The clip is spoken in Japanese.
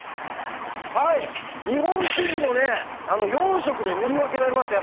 日本地図もね４色で塗り分けられました